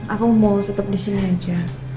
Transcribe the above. aku mau tetep disini aja